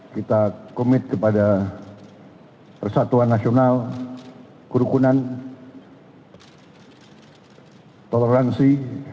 kita komit kepada persatuan nasional kerukunan toleransi